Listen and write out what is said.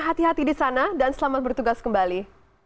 hati hati di sana dan selamat bertugas kembali